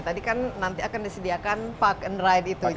tadi kan nanti akan disediakan park and ride itu